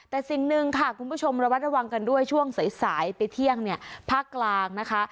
แต่สิ่งหนึ่งค่ะคุณผู้ชมระวัดระวังกันด้วยช่วงสายไปเที่ยงเนี่ยภาคกลางนะคะ